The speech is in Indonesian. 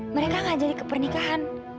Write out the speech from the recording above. mereka gak jadi kepernikahan